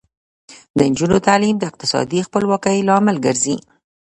د نجونو تعلیم د اقتصادي خپلواکۍ لامل ګرځي.